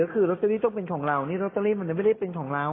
ก็คือลอตเตอรี่ต้องเป็นของเรานี่ลอตเตอรี่มันยังไม่ได้เป็นของเรา